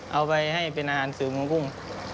เอาไปให้เป็นอาหารเสริมของกุ้ง